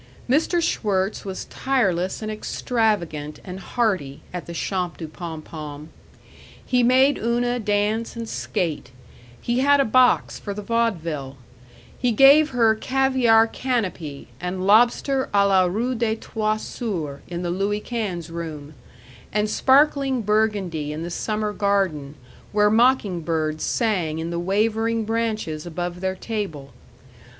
Mr. Schwirtz was tireless and extravagant and hearty at the Champs du Pom Pom. He made Una dance and skate; he had a box for the vaudeville; he gave her caviar canapé and lobster à la Rue des Trois Soeurs in the Louis Quinze room; and sparkling Burgundy in the summer garden, where mocking birds sang in the wavering branches above their table.